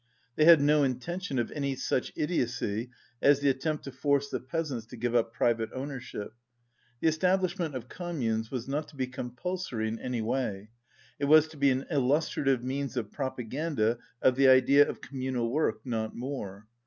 They had no in tention of any such idiocy as the attempt to force the peasants to give up private ownership. The establishment of communes was not to be com pulsory in any way; it was to be an illustrative means of propaganda of the idea of communal work, not more.